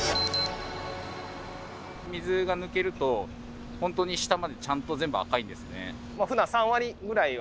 水が抜けるとほんとに下までちゃんと全部赤いんですね。